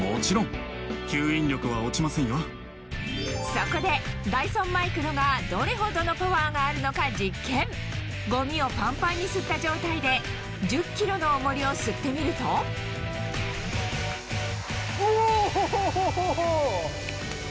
そこでダイソンマイクロがどれほどのパワーがあるのか実験ゴミをパンパンに吸った状態で１０ｋｇの重りを吸ってみるとおホホホ！